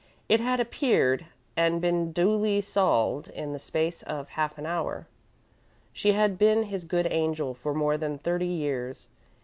It had appeared and been duly solved in the space of half an hour. She had been his good angel for more than thirty years.